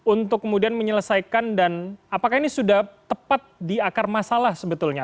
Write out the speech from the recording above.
untuk kemudian menyelesaikan dan apakah ini sudah tepat di akar masalah sebetulnya